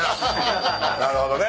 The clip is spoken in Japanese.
なるほどね。